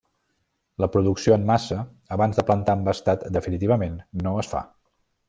La producció en massa abans de plantar embastat definitivament no es fa.